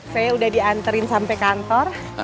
saya udah diantarin sampe kantor